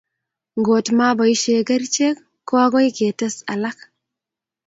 Ngot maboishei kerichek, ko akoi ketes alak